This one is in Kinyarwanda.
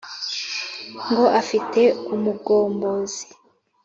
ngo afite umugombozi